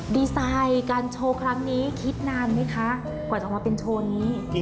ดีไซน์การโชว์ครั้งนี้คิดนานไหมคะกว่าจะมาเป็นโชว์นี้